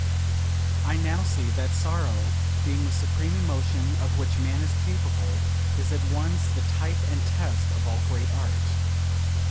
I now see that sorrow, being the supreme emotion of which man is capable, is at once the type and test of all great art.